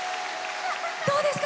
どうですか？